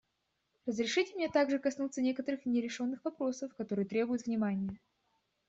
Разрешите мне также коснуться некоторых нерешенных вопросов, которые требуют внимания.